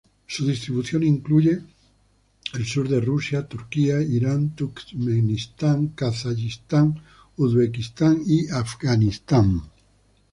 Su distribución incluye el sur de Rusia, Turquía, Irán, Turkmenistán, Kazajistán, Uzbekistán y Afganistán.